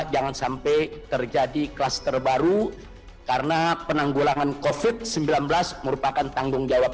jangan sampai terjadi klaster baru karena penanggulangan kofit sembilan belas merupakan tanggungjawab